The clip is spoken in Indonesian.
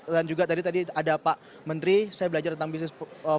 dan juga tadi ada pak menteri saya belajar tentang bisnis empat